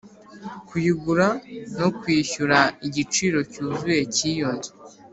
kuyigura no kwishyura igiciro cyuzuye cy'iyo nzu